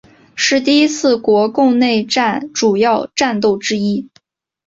是第一次国共内战主要战斗之一。